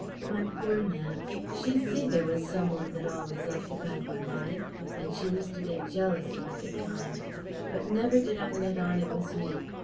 My poor Nance! She see there was some one that always occupied my mind, and she used to get jealous like, at times. But never did I let on it was you.